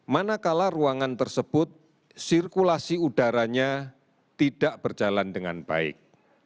manakala ruangan tersebut sirkulasi udaranya tidak berjalan dengan baik